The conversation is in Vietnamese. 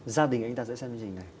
gia đình anh ta sẽ xem chương trình này